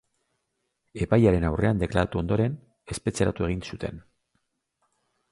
Epailearen aurrean deklaratu ondoren, espetxeratu egin zuten.